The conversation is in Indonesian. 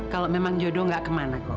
kalau memang jodoh nggak kemana kok